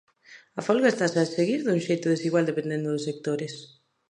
A folga estase a seguir dun xeito desigual dependendo dos sectores.